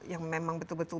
yang memang betul betul